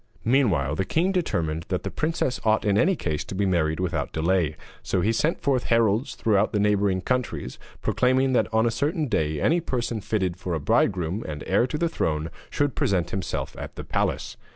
Meanwhile the king determined that the princess ought in any case to be married without delay, so he sent forth heralds throughout the neighbouring countries, proclaiming that on a certain day any person fitted for a bridegroom and heir to the throne should present himself at the palace.